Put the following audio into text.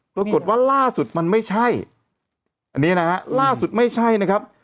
ปรากฏว่าล่าสุดมันไม่ใช่อันนี้นะฮะล่าสุดไม่ใช่นะครับ